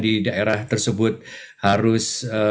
di daerah tersebut harus